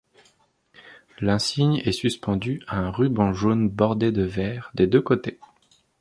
L'insigne est suspendu à un ruban jaune bordé de vert des deux côtés.